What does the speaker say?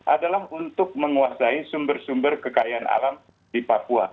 adalah untuk menguasai sumber sumber kekayaan alam di papua